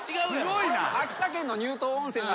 すごいな。